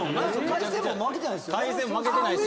海鮮も負けてないですよね。